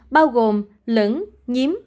bao gồm lửng nhiếm